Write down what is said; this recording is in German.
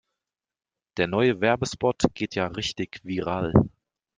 Der neue Werbespot geht ja richtig viral.